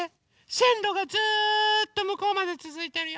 せんろがずっとむこうまでつづいてるよ。